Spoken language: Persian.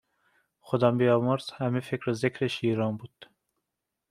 خدا بیامرز همه فکر و ذکرش ایران بود